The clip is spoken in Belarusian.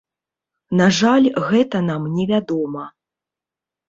На жаль, гэта нам невядома.